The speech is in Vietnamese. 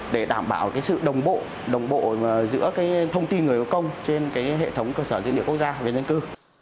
để đảm bảo sự đồng bộ đồng bộ giữa thông tin người có công trên hệ thống cơ sở dữ liệu quốc gia về dân cư